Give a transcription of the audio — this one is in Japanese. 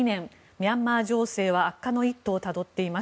ミャンマー情勢は悪化の一途をたどっています。